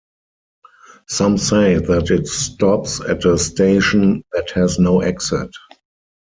Some say that it stops at a station that has no exit.